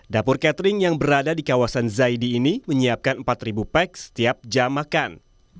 dapur catering yang berada di kawasan zaidi ini menyiapkan empat pack setiap jam makan